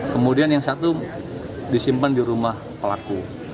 kemudian yang satu disimpan di rumah pelaku